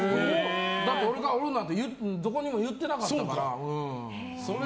俺がおるなんてどこにも言ってなかったから。